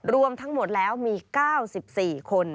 รวมทั้งหมดแล้วมี๙๔คน